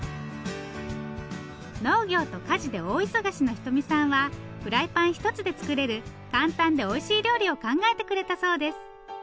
農業と家事で大忙しの仁美さんはフライパン一つで作れる簡単でおいしい料理を考えてくれたそうです。